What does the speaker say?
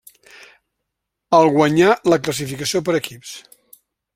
El guanyà la classificació per equips.